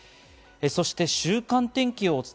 そして週間天気です。